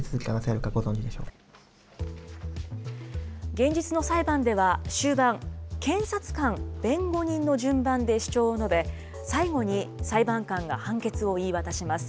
現実の裁判では終盤、検察官、弁護人の順番で主張を述べ、最後に裁判官が判決を言い渡します。